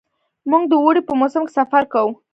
موږ د اوړي په موسم کې سفر کوو.